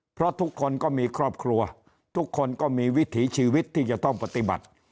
เพราะทุกคนก็มีครอบครัวทุกคนก็มีวิถีชีวิตที่จะต้องปฏิบัติ